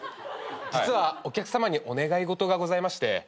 実はお客さまにお願い事がございまして。